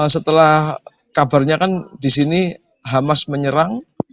setelah kabarnya kan di sini hamas menyerang